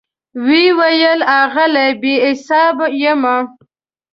وی ویل آغلې , بي حساب یمه